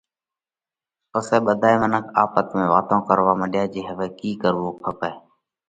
پسئہ ٻڌائي منک آپت ۾ واتون ڪروا مڏيا جي هوَئہ ڪِي ڪروو کپئہ۔